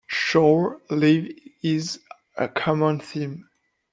Shore leave is a common theme.